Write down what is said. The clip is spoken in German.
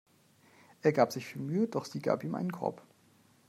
Er gab sich viel Mühe, doch sie gab ihm einen Korb.